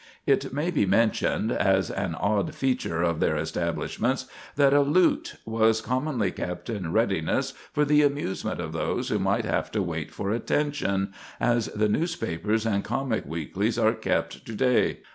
It may be mentioned, as an odd feature of their establishments, that a lute was commonly kept in readiness for the amusement of those who might have to wait for attention, as the newspapers and comic weeklies are kept to day.